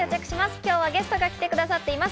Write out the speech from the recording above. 今日はゲストが来てくださっています。